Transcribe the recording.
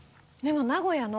名古屋の。